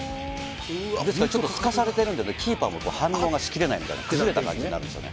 ですからちょっとすかされてるんでね、キーパーも反応がしきれないみたいな、崩れた感じになるんですよ